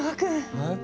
はい？